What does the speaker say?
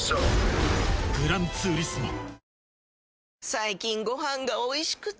最近ご飯がおいしくて！